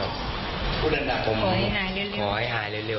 อยากฝากบอกใครใจจริง